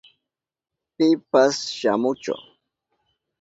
Pipas shamuchu.